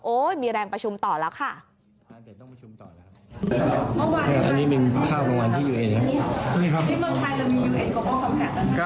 มีแรงประชุมต่อแล้วค่ะ